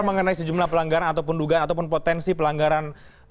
mengenai sejumlah pelanggaran ataupun dugaan ataupun potensi pelanggaran